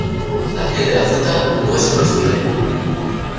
La piel de la fruta no es comestible.